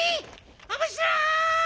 おもしろい！